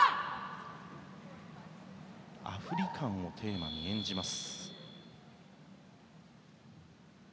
アフリカンをテーマに演じます。